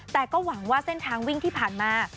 แต่ก็หวังว่าเส้นทางวิ่งที่ผ่านมา